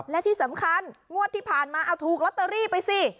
และที่สำคัญงวดที่ผ่านมาเอาถูกลอตเตอรี่ไปสิ